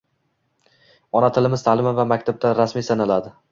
Ona tilimiz taʼlimi va maktabda rasmiy sanaladi.